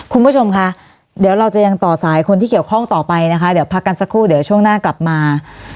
คุณผู้ชมค่ะเดี๋ยวเราจะยังต่อสายคนที่เกี่ยวข้องต่อไปนะคะเดี๋ยวพักกันสักครู่เดี๋ยวช่วงหน้ากลับมา